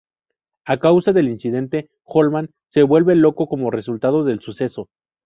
A causa del incidente, Holman se vuelve loco como resultado del suceso.